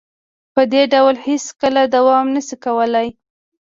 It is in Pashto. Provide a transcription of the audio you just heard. په دې ډول هیڅکله دوام نشي کولې